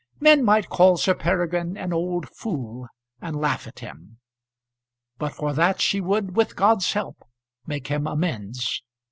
Men might call Sir Peregrine an old fool and laugh at him; but for that she would, with God's help, make him amends.